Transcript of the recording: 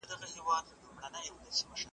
او پر ځان یې حرام کړي وه خوبونه `